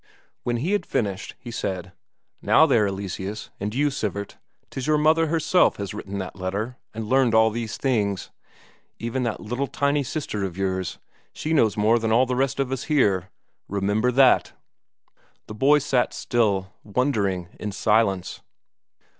When he had finished, he said: "There now, Eleseus, and you, Sivert, 'tis your mother herself has written that letter and learned all these things. Even that little tiny sister of yours, she knows more than all the rest of us here. Remember that!" The boys sat still, wondering in silence.